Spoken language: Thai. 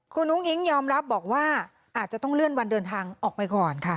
คุณอุ้งอิ๊งยอมรับบอกว่าอาจจะต้องเลื่อนวันเดินทางออกไปก่อนค่ะ